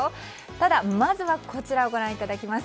ただ、まずはこちらをご覧いただきます。